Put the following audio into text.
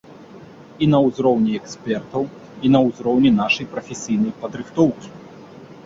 І на ўзроўні экспертаў, і на ўзроўні нашай прафесійнай падрыхтоўкі.